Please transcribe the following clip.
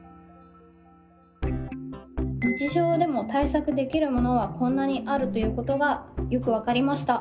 日常でも対策できるものはこんなにあるということがよく分かりました。